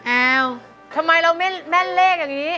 อ้าวทำไมเราแม่นเลขอย่างนี้